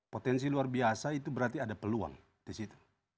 potensi luar biasa itu berarti ada peluang di situ